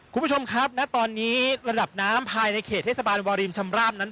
คุณผู้ชมครับณตอนนี้ระดับน้ำภายในเขตเทศบาลวารินชำราบนั้น